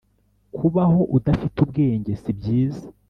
kubaho udafite ubwenge si byiza